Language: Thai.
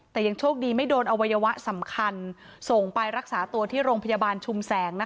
แต่ยังโชคดีไม่โดนอวัยวะสำคัญส่งไปรักษาตัวที่โรงพยาบาลชุมแสง